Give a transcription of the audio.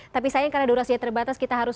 tapi sayang karena durasinya terbatas kita harus